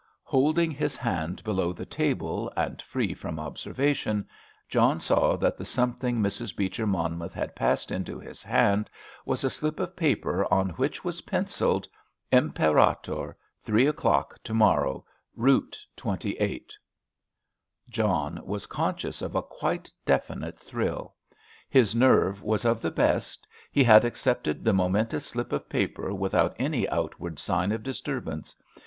Holding his hand below the table and free from observation, John saw that the something Mrs. Beecher Monmouth had passed into his hand was a slip of paper on which was pencilled: "Imperator—three o'clock to morrow. Route 28." John was conscious of a quite definite thrill. His nerve was of the best; he had accepted the momentous slip of paper without any outward sign of disturbance.